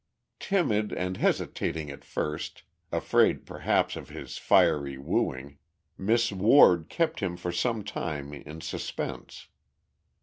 Timid and hesitating at first, afraid perhaps of his fiery wooing, Miss Ward kept him for some time in suspense.